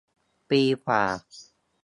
ปีกว่า